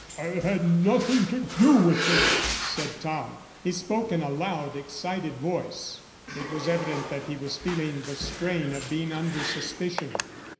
"I had nothing to do with him," said Tom. He spoke in a loud excited voice. It was evident that he was feeling the strain of being under suspicion.